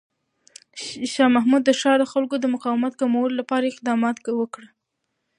شاه محمود د ښار د خلکو د مقاومت د کمولو لپاره اقدامات وکړ.